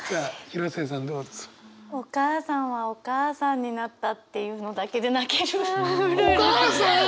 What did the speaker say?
「お母さんはお母さんになった」っていうのだけで泣ける。